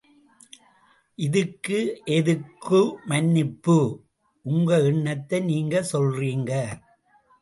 இதுக்கு எதுக்கு மன்னிப்பு? உங்க எண்ணத்தை நீங்க சொல்றீங்க.